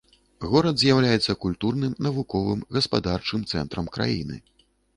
Горад з'яўляецца культурным, навуковым, гаспадарчым цэнтрам краіны.